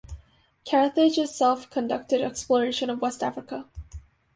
Carthage itself conducted exploration of West Africa.